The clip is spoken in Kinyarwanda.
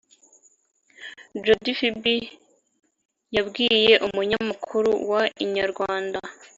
Jody Phibi yabwiye umunyamakuru wa Inyarwanda